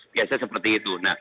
biasanya seperti itu